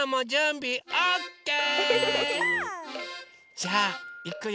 じゃあいくよ。